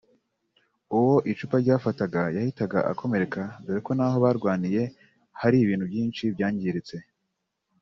uwo icupa ryafataga yahitaga akomereka dore ko n’aho barwaniye hari ibintu byinshi byangiritse